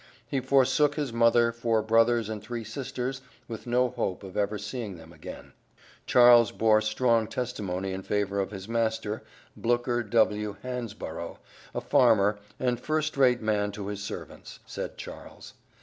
He forsook his mother, four brothers and three sisters with no hope of ever seeing them again. Charles bore strong testimony in favor of his master, Blooker W. Hansborough, a farmer, a first rate man to his servants, said Charles.